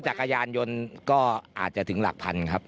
จักรยานยนต์ก็อาจจะถึงหลักพันครับ